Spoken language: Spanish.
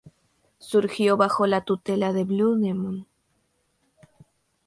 Surgió bajo la tutela de Blue Demon.